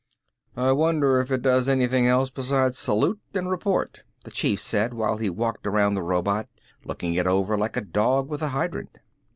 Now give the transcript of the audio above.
"I wonder if it does anything else beside salute and report," the Chief said while he walked around the robot, looking it over like a dog with a hydrant.